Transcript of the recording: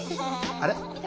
あれ？